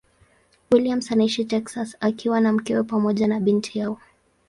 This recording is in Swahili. Williams anaishi Texas akiwa na mkewe pamoja na binti yao.